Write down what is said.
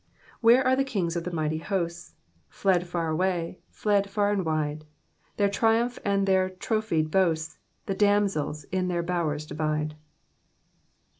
Where are the kings of mighty hosts ? Fled fur away, fled far and wide. Their triumph and tlieir Iropliicd bonsts The damsels in their bowers divide."